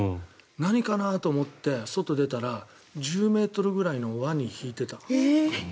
何かな？と思って外に出たら、１０ｍぐらいのワニひいてた。